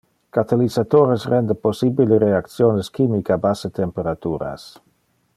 Catalysatores rende possibile reactiones chimic a basse temperaturas.